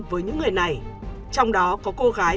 với những người này trong đó có cô gái